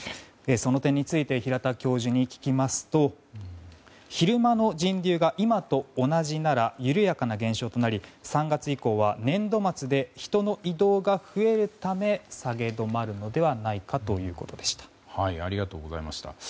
その点について平田教授に聞きますと昼間の人流が今と同じなら緩やかな減少となり３月以降は年度末で人の移動が増えるため下げ止まるのではないかということでした。